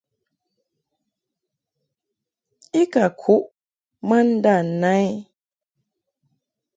I ka kuʼ ma nda na i.